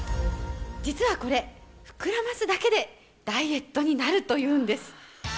実はこれ、膨らますだけでダイエットになるというんです。